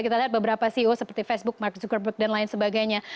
kita lihat beberapa ceo seperti facebook mark zuckerberg dan lain sebagainya